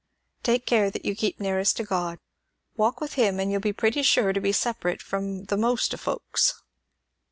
"Take care that you keep nearest to God. Walk with him; and you'll be pretty sure to be separate from the most o' folks."